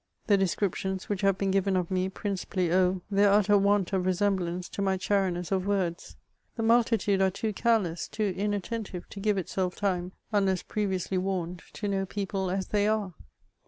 The descriptions which have heen given of me principally owe their utter want of resemhlance to my chariness of words. The multitude are too careless, too inattentive, to give itself time, unless previously warned, to know people as they are.